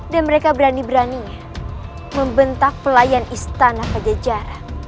dan mereka berani beraninya membentak pelayan istana pajajara